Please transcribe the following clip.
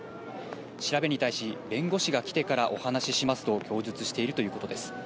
調べに対し、弁護士が来てからお話ししますと供述しているということです。